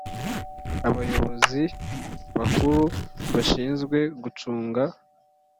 abayobozi bakuru bashinzwe gucunga